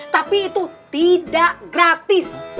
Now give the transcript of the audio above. tapi itu tidak gratis